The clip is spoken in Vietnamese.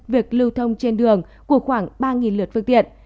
việc lưu thông trên đường của khoảng ba lượt phương tiện